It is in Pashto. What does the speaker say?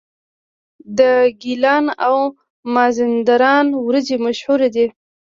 د ګیلان او مازندران وریجې مشهورې دي.